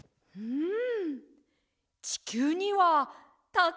うん。